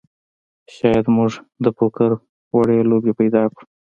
شاید موږ د پوکر وړې لوبې پیدا کړو